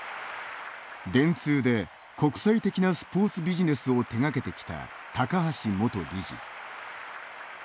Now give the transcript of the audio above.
電通で、国際的なスポーツビジネスを手がけてきた高橋元理事。